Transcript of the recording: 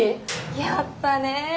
やっぱね。